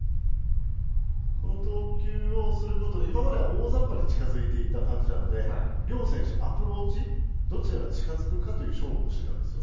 この投球をすることで大雑把に近づいていた感じなので両選手、アプローチどちらか近づくかという勝負をしてたんですよ。